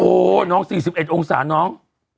น้อง๔๑องศาน้อง